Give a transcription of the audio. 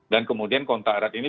dan kemudian kontak erat ini